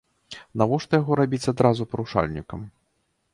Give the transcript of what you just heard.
Навошта яго рабіць адразу парушальнікам?